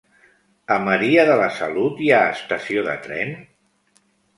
A Maria de la Salut hi ha estació de tren?